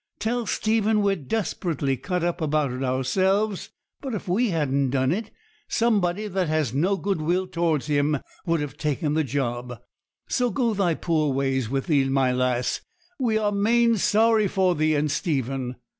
Tell Stephen we're desperately cut up about it ourselves; but, if we hadn't done it, somebody that has no good will towards him would have taken the job. So go thy poor ways with thee, my lass; we are main sorry for thee and Stephen.'